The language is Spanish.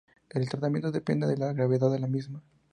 El tratamiento depende de la gravedad de la misma.